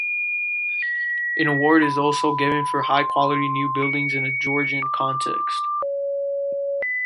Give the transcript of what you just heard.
An award is also given for high quality new buildings in a Georgian context.